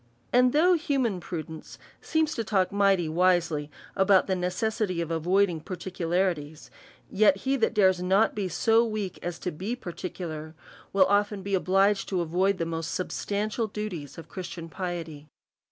And though human prudence seems to talk mighty wisely about the necessity of avoiding particularities, yet he that dares not to be so weak as to be particu lar, will be often obliged to avoid the most substantial duties of Christian piety.